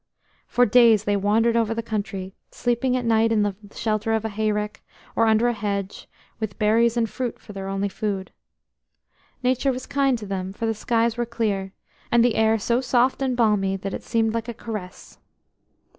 OR days they wandered over the country, sleeping at night in the shelter of a hayrick, or under a hedge, with berries and fruit for their only food. Nature was kind to them, for the skies were clear, and the air so soft and balmy that it seemed like a caress.